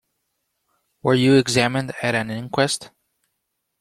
Were you examined at an inquest?